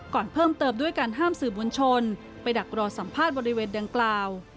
ก่อนเพิ่มเติมด้วยการห้ามสื่อมวลชนไปดักรอสัมภาษณ์บริเวณดังกล่าว